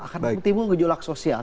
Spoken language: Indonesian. akan bertemu gejolak sosial